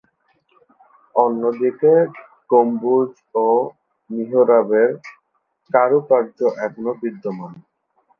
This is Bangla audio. অন্যদিকে, গম্বুজ ও মিহরাবের কারুকার্য এখনো বিদ্যমান।